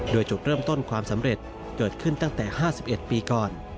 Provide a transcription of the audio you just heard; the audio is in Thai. โดยจุดเริ่มต้นความสำเร็จเกิดขึ้นตั้งแต่๕๑ปีก่อน